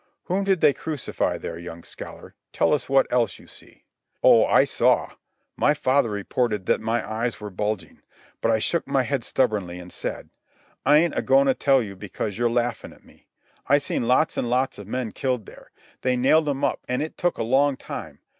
"Whom did they crucify there, young scholar? Tell us what else you see." Oh, I saw—my father reported that my eyes were bulging; but I shook my head stubbornly and said: "I ain't a goin' to tell you because you're laughin' at me. I seen lots an' lots of men killed there. They nailed 'em up, an' it took a long time.